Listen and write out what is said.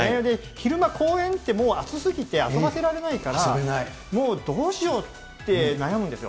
昼間、公園ってもう暑すぎて、遊ばせられないから、もうどうしようって悩むんですよ。